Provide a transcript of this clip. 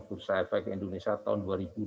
bursa efek indonesia tahun dua ribu dua puluh